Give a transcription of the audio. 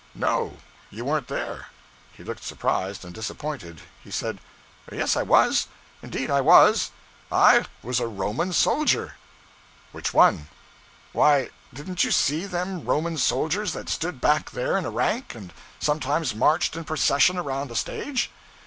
'No, you weren't there.' He looked surprised and disappointed. He said 'Yes, I was. Indeed I was. I was a Roman soldier.' 'Which one?' 'Why didn't you see them Roman soldiers that stood back there in a rank, and sometimes marched in procession around the stage?'